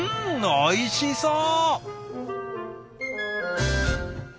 おいしそう！